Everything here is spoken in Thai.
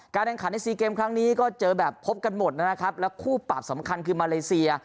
แข่งขันในซีเกมครั้งนี้ก็เจอแบบพบกันหมดนะครับแล้วคู่ปรับสำคัญคือมาเลเซีย